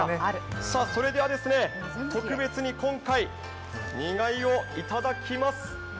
それでは特別に今回、煮貝をいただきます。